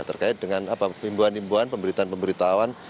terkait dengan apa pembohon pembohon pemberitaan pemberitahuan